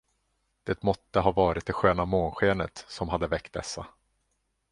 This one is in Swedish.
Det måtte ha varit det sköna månskenet, som hade väckt dessa.